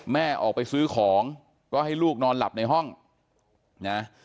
แม่ออกไปซื้อของก็ให้ลูกนอนหลับในห้องนะ